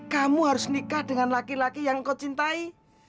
kamu harus nikah dengan laki laki yang kau cintai